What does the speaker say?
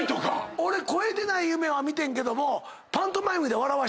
俺声出ない夢は見てんけども。